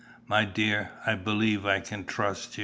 My dear, I believe I can trust you."